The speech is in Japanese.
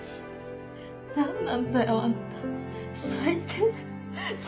何なんだよあんた最低だよ。